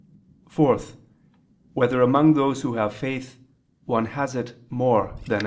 (4) Whether among those who have faith, one has it more than another?